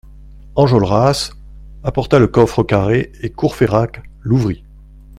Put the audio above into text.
Enjolras apporta le coffre carré et Courfeyrac l'ouvrit.